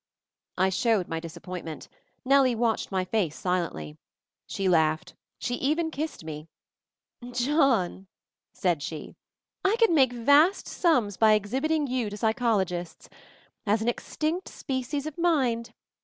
I showed my disappointment. Nellie watched my face silently. She laughed. She even kissed me. "John" said she, "I could make vast sums by exhibiting you to psychologists! as An Extinct Species of Mind.